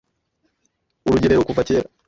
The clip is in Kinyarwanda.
Urugerero kuva kera,